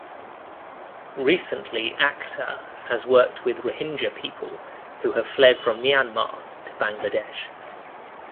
Recently Akhter has worked with Rohingya people who have fled from Myanmar to Bangladesh.